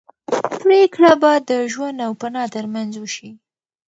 پرېکړه به د ژوند او فنا تر منځ وشي.